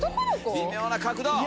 微妙な角度！